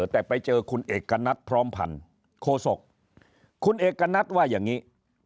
แต่ไปเจอคุณเอกณัฐพร้อมพันธ์โคศกคุณเอกณัฐว่าอย่างนี้